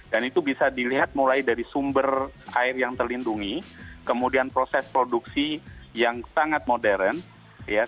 dan itu bisa dilihat mulai dari sumber air yang terlindungi kemudian proses produksi yang sangat modern ya